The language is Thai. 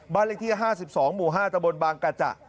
บ้านลิขที่ห้าสิบสองหมู่ห้าจำบลบางกะจ่ะ